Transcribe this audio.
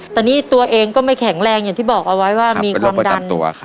แต่นี่ตัวเองก็ไม่แข็งแรงอย่างที่บอกเอาไว้ว่ามีความดัน